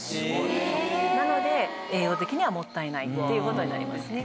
なので栄養的にはもったいないっていう事になりますね。